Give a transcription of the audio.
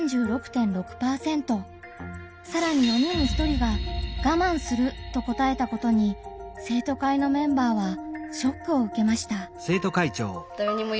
さらに４人に１人が「我慢する」と答えたことに生徒会のメンバーはショックを受けました。